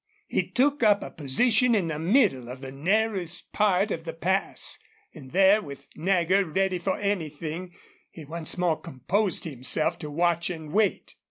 He took up a position in the middle of the narrowest part of the pass, and there, with Nagger ready for anything, he once more composed himself to watch and wait.